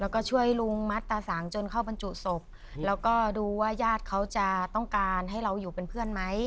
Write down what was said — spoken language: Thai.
แล้วก็ช่วยลุงมัดตาสางจนเข้าบรรจุศพแล้วก็ดูว่าญาติเขาจะต้องการให้เราอยู่เป็นเพื่อนไหม